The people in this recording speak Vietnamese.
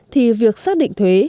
thì việc xác định thuế